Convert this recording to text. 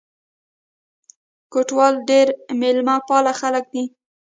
کوټوال ډېر مېلمه پال خلک دي.